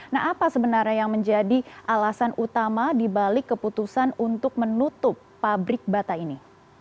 nah apa sebenarnya yang menjadi alasan utama dibalik keputusan untuk menutup pabrik bata ini